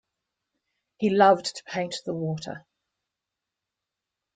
He loved to paint the water.